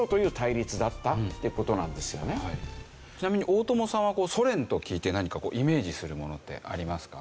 ちなみに大友さんはこうソ連と聞いて何かイメージするものってありますか？